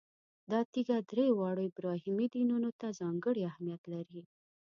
دا تیږه درې واړو ابراهیمي دینونو ته ځانګړی اهمیت لري.